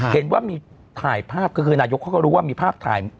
เห็นว่ามีถ่ายภาพก็คือนายกเขาก็รู้ว่ามีภาพถ่าย